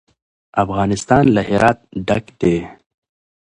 افغانستان له هرات ډک دی.